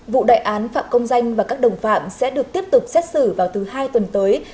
vụ đại án phạm công danh và các đồng phạm sẽ được tiếp tục xét xử vào thứ hai tuần tới